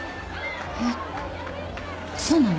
えっそうなの？